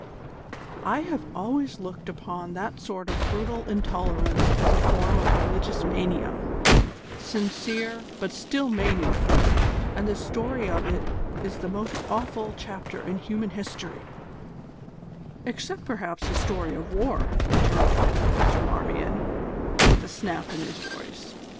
"I have always looked upon that sort of brutal intolerance as a form of religious mania sincere, but still mania, and the story of it is the most awful chapter in human history " "Except, perhaps, the story of war," interrupted Professor Marmion, with a snap in his voice.